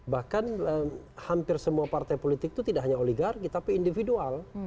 bahkan hampir semua partai politik itu tidak hanya oligarki tapi individual